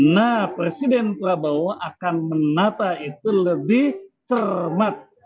nah presiden prabowo akan menata itu lebih cermat